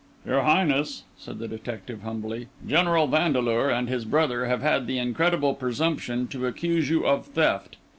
"Your Highness," said the detective humbly, "General Vandeleur and his brother have had the incredible presumption to accuse you of theft.